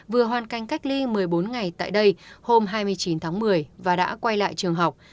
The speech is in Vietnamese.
vừa hoàn canh cách ly một mươi bốn ngày tại đây hôm hai mươi chín tháng một mươi và đã quay lại trường học